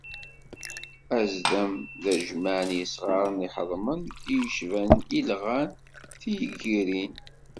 Azdam d ajmaɛ n yisɣaren iḥeḍmanen i yecban ilɣan, tiyeggirin.